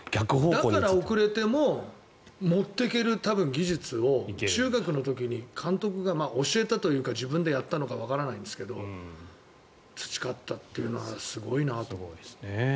だから、遅れても持ってける技術を中学の時に監督が教えたというか自分でやったのかわからないんですけど培ったというのはすごいなと思います。